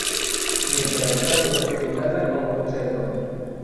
Mientras tanto, el hada como un cerdo.